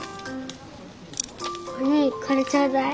おにぃこれちょうだい。